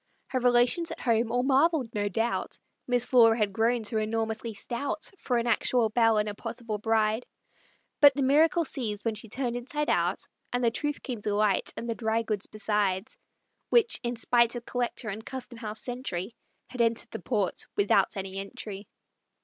Her relations at home all marveled, no doubt, Miss Flora had grown so enormously stout For an actual belle and a possible bride; But the miracle ceased when she turned inside out, And the truth came to light, and the dry goods besides, Which, in spite of Collector and Custom House sentry, Had entered the port without any entry.